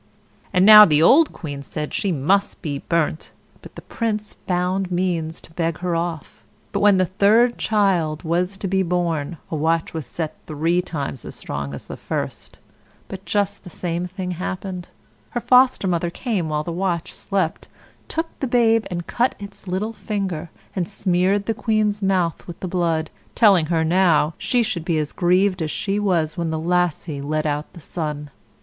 And now the old queen said she must be burnt, but the Prince found means to beg her off. But when the third child was to be born, a watch was set three times as strong as the first, but just the same thing happened. Her Foster mother came while the watch slept, took the babe, and cut its little finger, and smeared the queen's mouth with the blood, telling her now she should be as grieved as she had been when the Lassie let out the sun.